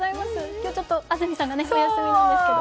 今日、安住さんがお休みなんですけど。